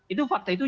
itu fakta itu